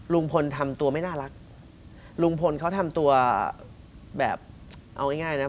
ลุงพลทำตัวไม่น่ารักลุงพลเขาทำตัวแบบเอาง่ายนะ